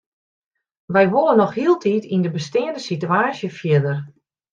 Wy wolle noch hieltyd yn de besteande sitewaasje fierder.